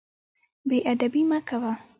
بې ادبي مه کوه.